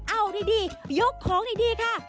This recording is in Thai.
เอาดียกของดีค่ะ